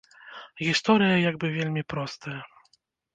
Гісторыя як бы вельмі простая.